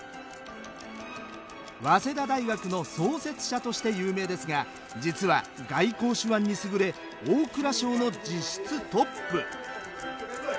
早稲田大学の創設者として有名ですが実は外交手腕に優れ大蔵省の実質トップ。